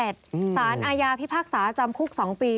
สารอาญาพิพากษาจำคุก๒ปี